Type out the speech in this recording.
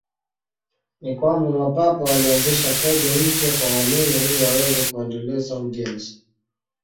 Ni kwamba Mapapa walianzisha kodi mpya kwa waumini ili waweze kuendeleza ujenzi.